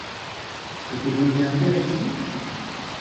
Ce que je viens faire ici ?